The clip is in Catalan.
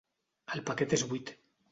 El paquet és buit.